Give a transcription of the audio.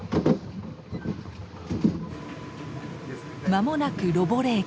間もなくロボレ駅。